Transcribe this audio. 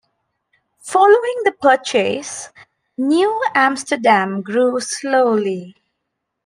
Following the purchase, New Amsterdam grew slowly.